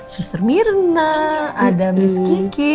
suster mirna ada miss kiki